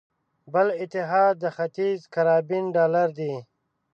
بل اتحاد د ختیځ کارابین ډالر دی.